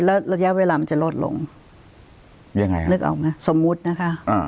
แล้วระยะเวลามันจะลดลงยังไงฮะนึกออกไหมสมมุตินะคะอ่า